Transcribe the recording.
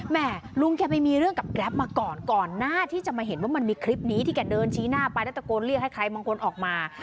แม่ลุงแกไปมีเรื่องกับแกรปมาก่อนก่อนหน้าที่จะมาเห็นว่ามันมีคลิปนี้ที่แกเดินชี้หน้าไปแล้วตะโกนเรียกให้ใครบางคนออกมา